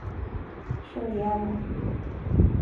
说你爱我